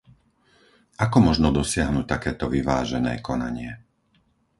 Ako možno dosiahnuť takéto vyvážené konanie?